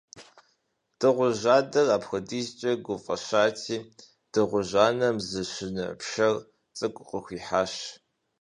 Дыгъужь адэр апхуэдизкӀэ гуфӀэщати, дыгъужь анэм зы щынэ пшэр цӀыкӀу къыхуихьащ.